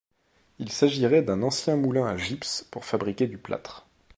Il s'agirait d'un ancien moulin à gypse pour fabriquer du plâtre.